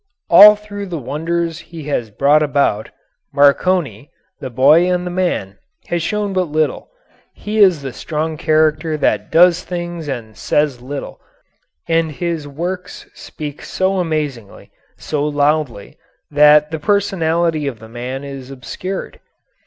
All through the wonders he has brought about, Marconi, the boy and the man, has shown but little he is the strong character that does things and says little, and his works speak so amazingly, so loudly, that the personality of the man is obscured.